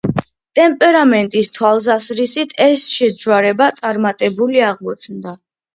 ტემპერამენტის თვალსაზრისით ეს შეჯვარება წარმატებული აღმოჩნდა.